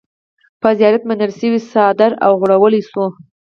په زيارت منلے شوے څادر اوغوړولے شو۔